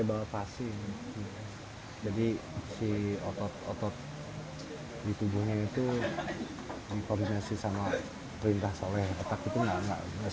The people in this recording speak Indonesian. ai dass terbase pada tindakan aliran